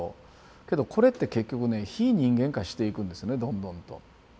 けどこれって結局ね非人間化していくんですねどんどんと。